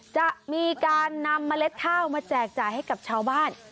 จะมีการนำเมล็ดข้าวมาแจกจ่ายให้กับชาวบ้าน